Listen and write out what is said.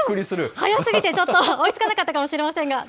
速すぎてちょっと追いつかなかったかもしれませんが。